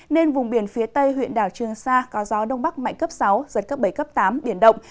nên vùng biển phía tây huyện đảo trường sa có gió đông bắc mạnh cấp sáu giật cấp bảy cấp tám biển động